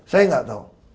saya nggak tahu